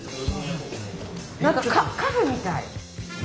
何かカフェみたい。